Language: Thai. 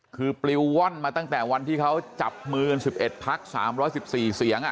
คือปลิวว่อนมาตั้งแต่วันที่เขาจับมือกัน๑๑พัก๓๑๔เสียง